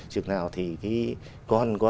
chừng nào thì còn có